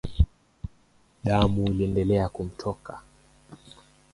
Damu iliendelea kumtoka